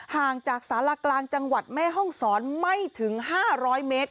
ห่างจากสารากลางจังหวัดแม่ห้องศรไม่ถึง๕๐๐เมตร